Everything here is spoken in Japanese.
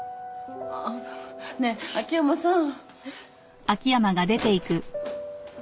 あっねえ秋山さん。